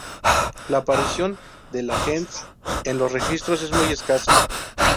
La aparición de la "gens" en los registros es muy escasa.